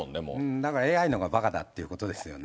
なんかＡＩのほうがばかだっていうことですよね。